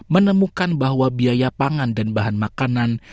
menemukan bahwa biaya pangan dan bahan makanan